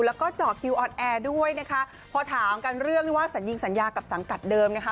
แล้วก็เจาะคิวออนแอร์ด้วยนะคะพอถามกันเรื่องที่ว่าสัญญิงสัญญากับสังกัดเดิมนะคะ